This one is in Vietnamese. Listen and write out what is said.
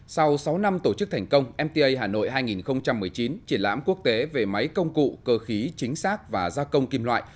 sau sáu năm tổ chức thành công mta hà nội hai nghìn một mươi chín triển lãm quốc tế về máy công cụ cơ khí chính xác và gia công kim loại